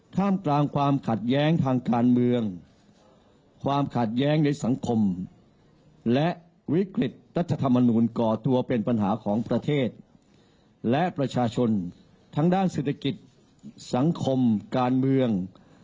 ท่ามกลางความขัดแย้งทางการเมืองความขัดแย้งในสังคมและวิกฤตรัฐธรรมนูลก่อตัวเป็นปัญหาของประเทศและประชาชนทั้งด้านเศรษฐกิจสังคมการเมือง